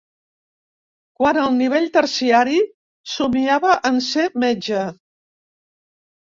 Quant al nivell terciari, somiava en ser Metge.